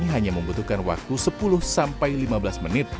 hanya membutuhkan waktu sepuluh sampai lima belas menit